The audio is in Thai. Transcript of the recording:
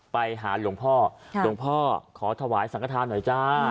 ไปหาหลวงพ่อหลวงพ่อขอถวายสังขทานหน่อยจ้า